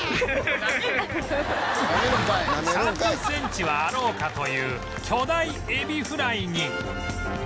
３０センチはあろうかという巨大エビフライに